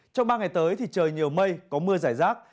trong ba ngày tới trời nhiều mây có mưa rải rác